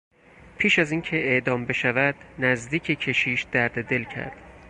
پیش از اینکه اعدام بشود نزدیک کشیش درد دل کرد.